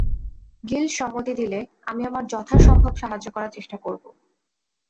Guild সম্মতি দিলে, আমি আমার যথাসম্ভব সাহায্য করার চেষ্টা করবো।